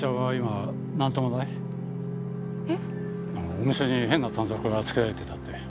お店に変な短冊が付けられてたって。